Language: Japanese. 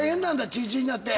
ちりちりになって。